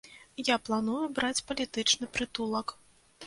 Я планую браць палітычны прытулак.